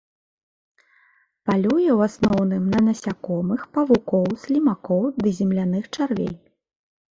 Палюе ў асноўным на насякомых, павукоў, слімакоў ды земляных чарвей.